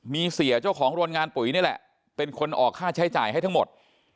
มีเสียเจ้าของโรงงานปุ๋ยนี่แหละเป็นคนออกค่าใช้จ่ายให้ทั้งหมด